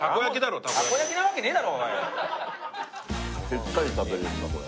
しっかり食べれるなこれ。